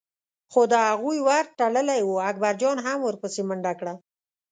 خو د هغوی ور تړلی و، اکبرجان هم ور پسې منډه کړه.